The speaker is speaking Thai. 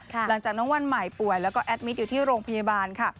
หลังจากน้องวันใหม่ป่วยแล้วก็แอดมิตรอยู่ที่โรงพยาบาลค่ะ